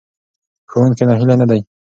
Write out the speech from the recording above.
ښوونکی ناهیلی نه دی.